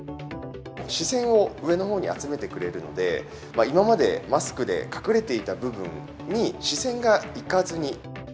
視線を上のほうに集めてくれるので、今まで、マスクで隠れていた部分に視線がいかずに。